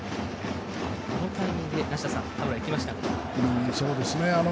このタイミングで梨田さん、いきましたね。